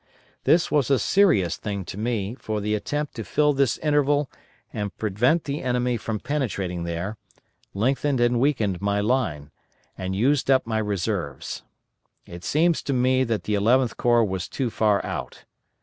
This was a serious thing to me, for the attempt to fill this interval and prevent the enemy from penetrating there, lengthened and weakened my line, and used up my reserves. It seems to me that the Eleventh Corps was too far out.